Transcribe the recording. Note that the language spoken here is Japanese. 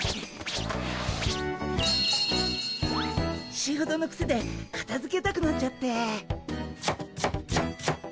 仕事のクセでかたづけたくなっちゃって。